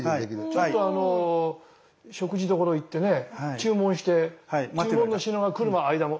ちょっと食事どころ行ってね注文して注文の品が来る間も。